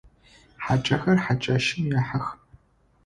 Хьакӏэхэр хьакӏэщым ехьэх.